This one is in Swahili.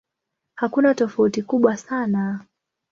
Hakuna tofauti kubwa sana.